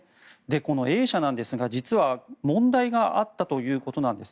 このＡ社ですが実は問題があったということなんです。